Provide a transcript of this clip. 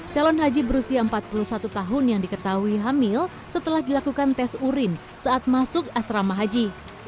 calon haji berusia empat puluh satu tahun yang diketahui hamil setelah dilakukan tes urin saat masuk asrama haji